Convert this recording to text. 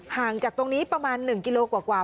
ห่างจากตรงนี้ประมาณ๑กิโลกว่า